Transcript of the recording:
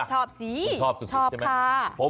ชอบสุดสุดใช่ไหมชอบค่ะ